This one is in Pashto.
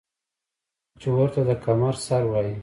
چې ورته د کمر سر وايي ـ